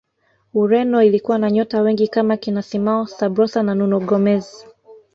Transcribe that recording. ureno ilikuwa na nyota wengi kama kina simao sabrosa na nuno gomez